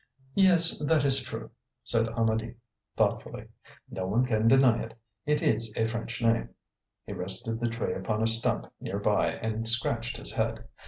"Yes, that is true," said Amedee thoughtfully. "No one can deny it; it is a French name." He rested the tray upon a stump near by and scratched his head.